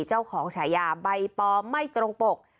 เจ้าของฉายาบิปอไม่ตรงปก